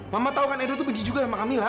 mama tau kan edo tuh benci juga sama kamila